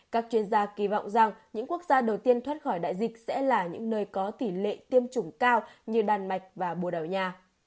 các chuyên gia kỳ vọng rằng những quốc gia đầu tiên thoát khỏi đại dịch sẽ là những nơi có tỷ lệ tiêm chủng cao như đan mạch và bồ đào nha